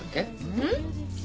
うん？